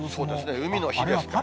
海の日ですから。